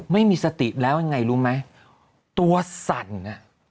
ไม่มีสติแล้วยังไงรู้ไหมตัวสั่น